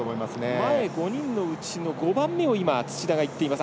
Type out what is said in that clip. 前５人のうちの５番目を土田がいっています。